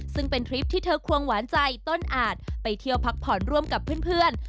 ซึ่งเป็นทริปที่เธอควงหวานใจต้นอาจไปเที่ยวพักผ่อนร่วมกับเพื่อน